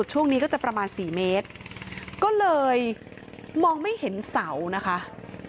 โดยช่วงนี้ก็จะประมาณ๔เมตรก็เลยมองไม่เห็นเสาภรรยากาศนะคะ